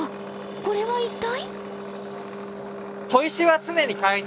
これは一体？